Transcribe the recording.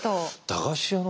駄菓子屋だ。